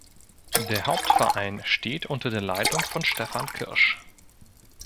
Der Hauptverein steht unter der Leitung von Stephan Kirsch.